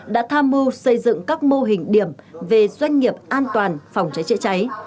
đã tham mưu xây dựng các mô hình điểm về doanh nghiệp an toàn phòng cháy chữa cháy